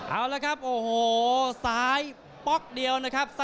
เอาละครับโอ้โหซ้ายป๊อกเดียวนะครับ